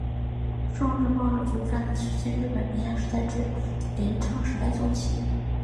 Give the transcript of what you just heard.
宋日贸易主要的发生时间为日本的平安时代中期至镰仓时代中期。